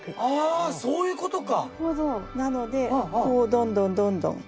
あそういうことか！